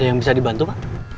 yang bisa dibantu pak